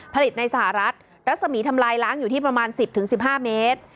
ผลิตในสหรัฐรัศมีร์ทำลายล้างอยู่ที่ประมาณ๑๐๑๕เมตร